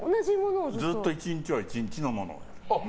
ずっと１日は１日のものを。